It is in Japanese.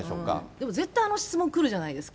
でも絶対あの質問、来るじゃないですか。